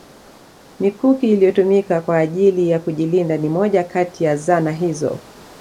Mikuki iliyotumika kwa ajili ya kujilinda ni moja Kati ya zana hizo